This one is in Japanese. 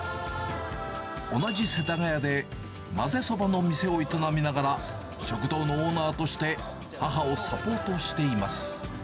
同じ世田谷でまぜそばの店を営みながら、食堂のオーナーとして、母をサポートしています。